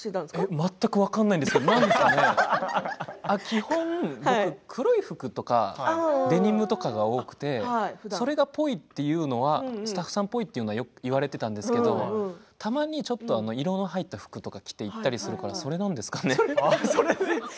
全く分からないんですけど基本、僕黒い服とかデニムとかが多くてそれが、っぽいというのはスタッフさんっぽいというのは言われていたんですけどたまにちょっと色が入った服とか着ていく時があるんですけど、それですかね。